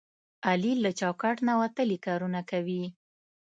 علي له چوکاټ نه وتلي کارونه کوي.